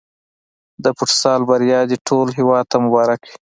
د فوتسال بریا دې ټول هېواد ته مبارک وي.